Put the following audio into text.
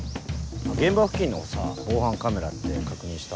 現場付近のさ防犯カメラって確認した？